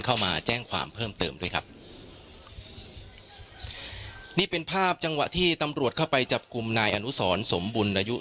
เข้ามาแจ้งความเพิ่มเติมด้วยครับ